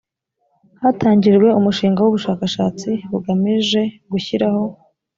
hatangijwe umushinga w ubushakashatsi bugamije gushyiraho